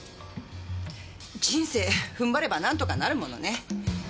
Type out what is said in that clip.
人生踏ん張ればなんとかなるものね。